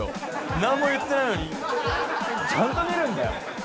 なんも言ってないのに、ちゃんと見るんだよ。